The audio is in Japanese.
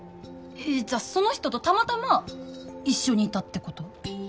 じゃあその人とたまたま一緒にいたってこと？